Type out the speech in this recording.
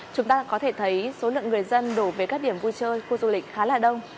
chúng ta có thể thấy số lượng người dân đổ về các điểm vui chơi khu du lịch khá là đông